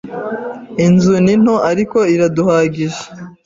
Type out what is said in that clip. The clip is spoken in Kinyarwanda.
Inzu ni nto, ariko iraduhagije.